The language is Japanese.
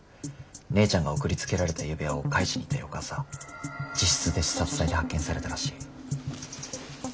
姉ちゃんが送りつけられた指輪を返しに行った翌朝自室で刺殺体で発見されたらしい。